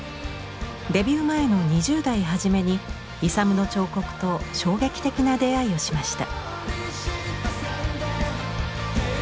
デビュー前の２０代初めにイサムの彫刻と衝撃的な出会いをしました。